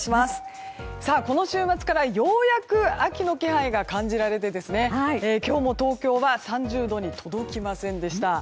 この週末からようやく秋の気配が感じられて、今日も東京は３０度に届きませんでした。